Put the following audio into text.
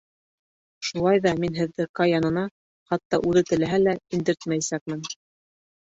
Шулай ҙа мин һеҙҙе Кай янына, хатта үҙе теләһә лә, индертмәйсәкмен.